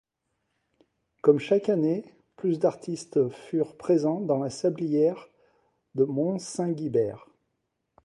Comme chaque année, plus de artistes furent présents dans la sablière de Mont-Saint-Guibert.